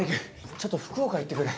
ちょっと福岡行ってくる。